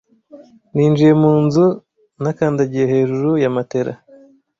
Ninjiye mu nzu, nakandagiye hejuru ya matela.